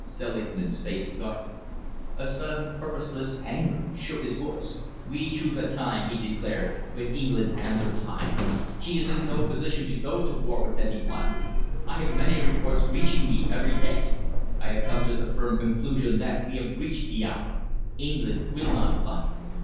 Selingman's face darkened. A sudden purposeless anger shook his voice. "We choose a time," he declared, "when England's hands are tied. She is in no position to go to war with any one. I have many reports reaching me every day. I have come to the firm conclusion that we have reached the hour. England will not fight."